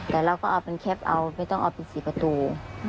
แต่เราก็เอาเป็นแคปเอาไม่ต้องเอาเป็น๔ประตู